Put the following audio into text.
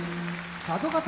佐渡ヶ嶽